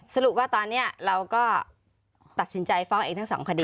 สรุปว่าตอนนี้เราก็ตัดสินใจฟ้องเองทั้งสองคดี